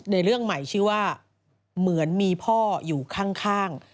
ในเรื่องใหม่ชื่อว่าเหมือนมีพ่ออยู่ข้าง